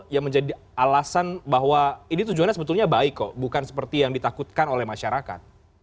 yang menjadi alasan bahwa ini tujuannya sebetulnya baik kok bukan seperti yang ditakutkan oleh masyarakat